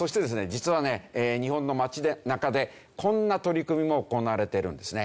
実はね日本の街中でこんな取り組みも行われているんですね。